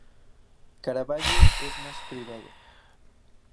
Caravaggio es más privado.